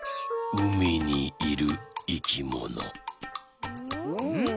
うみにいるいきもの。